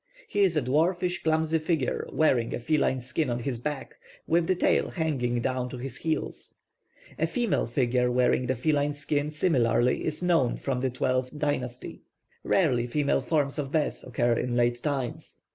He is a dwarfish, clumsy figure, wearing a feline skin on his back, with the tail hanging down to his heels. A female figure wearing the feline skin similarly is known from the twelfth dynasty. Rarely female forms of Bēs occur in late times.